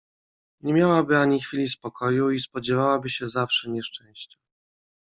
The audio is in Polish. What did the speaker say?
"Nie miałaby ani chwili spokoju i spodziewałaby się zawsze nieszczęścia."